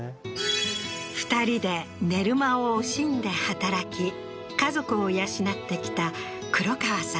２人で寝る間を惜しんで働き家族を養ってきた黒川さん